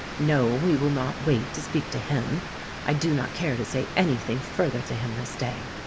No; we will not wait to speak to him. I do not care to say any thing further to him this day."